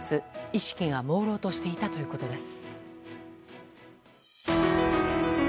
意識がもうろうとしていたということです。